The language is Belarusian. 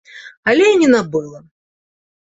Але і не набыла.